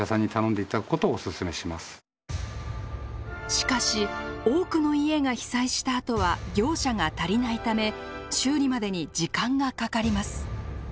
しかし多くの家が被災したあとは業者が足りないため修理までに時間がかかります。